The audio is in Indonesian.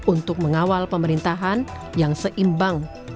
untuk mengawal pemerintahan yang seimbang